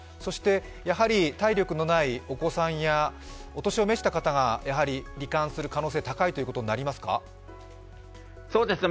体力のないお子さんやお年を召した方がり患する可能性が高いということになりますか？